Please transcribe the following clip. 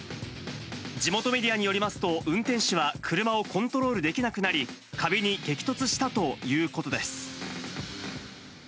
地元メディアによりますと、運転手は車をコントロールできなくなり、壁に激突したということです。